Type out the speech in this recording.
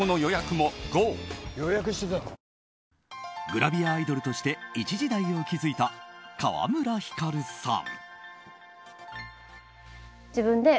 グラビアアイドルとして一時代を築いた川村ひかるさん。